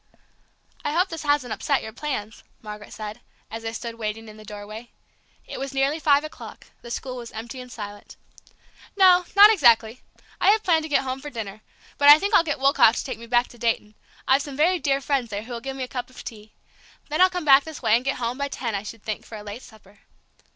"I hope this hasn't upset your plans," Margaret said, as they stood waiting in the doorway. It was nearly five o'clock, the school was empty and silent. "No, not exactly. I had hoped to get home for dinner. But I think I'll get Woolcock to take me back to Dayton; I've some very dear friends there who'll give me a cup of tea. Then I'll come back this way and get home, by ten, I should think, for a late supper."